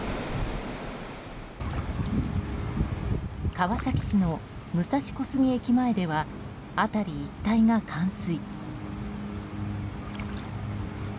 川崎市の武蔵小杉駅前では辺り一帯が冠水。